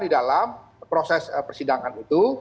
di dalam proses persidangan itu